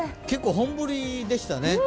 結構本降りでしたね。